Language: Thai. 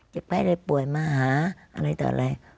เจ็บไพร่ป่วยมาหาอะไรต่ออะไร